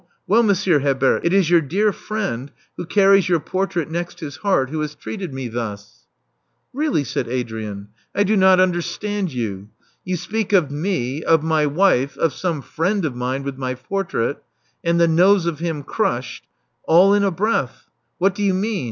Well, Monsieur Herbert, it is your dear friend, who carries your portrait next his heart, who has treated me thus." ••Really," said Adrian, ••! do not understand you. You speak of me— of my wife — of some friend of mine with my portrait " •*And the nose of him crushed." all in a breath. What do you mean?